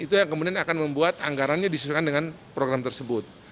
itu yang kemudian akan membuat anggarannya disesuaikan dengan program tersebut